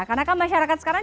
karena kan masyarakat sekarang